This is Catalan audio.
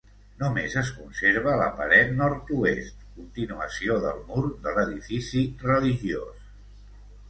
Només es conserva la paret nord-oest, continuació del mur de l'edifici religiós.